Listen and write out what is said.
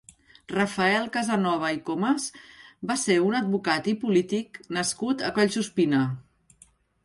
Rafael Casanova i Comes va ser un advocat i polític nascut a Collsuspina.